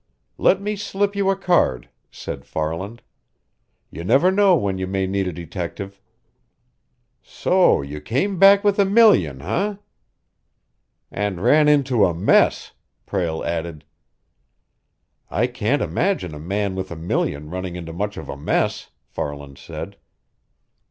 "Let me slip you a card," said Farland. "You never know when you may need a detective. So you came back with a million, eh?" "And ran into a mess," Prale added. "I can't imagine a man with a million running into much of a mess," Farland said.